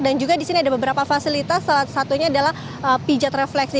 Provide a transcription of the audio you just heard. dan juga di sini ada beberapa fasilitas salah satunya adalah pijat refleksi